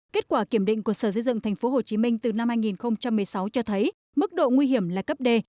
kết quả kiểm định của sở dây dựng tp hcm từ năm hai nghìn một mươi sáu cho thấy mức độ nguy hiểm là cấp d